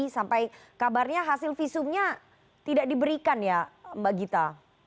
sampai kabarnya hasil visumnya tidak diberikan ya mbak gita